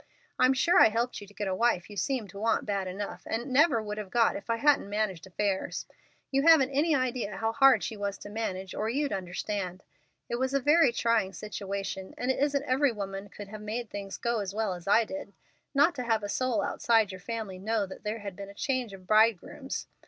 "I'm sure I helped you to get a wife you seemed to want bad enough and never would have got if I hadn't managed affairs. You haven't any idea how hard she was to manage or you'd understand. It was a very trying situation, and it isn't every woman could have made things go as well as I did—not to have a soul outside your family know there had been a change of bridegrooms.